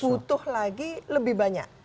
butuh lagi lebih banyak